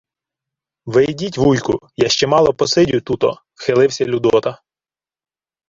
— Ви йдіть, вуйку, я ще мало посидю тут-о, — вхилився Людота.